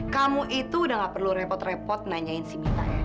kamu itu udah gak perlu repot repot nanyain si mita ya